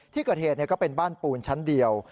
ที่เกิดเหตุก็เป็นบ้านปูนชั้นเดียว